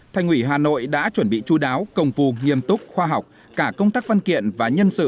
thành ủy hà nội đã chuẩn bị chú đáo công phu nghiêm túc khoa học cả công tác văn kiện và nhân sự